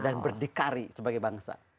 dan berdikari sebagai bangsa